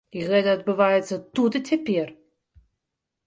І гэта адбываецца тут і цяпер.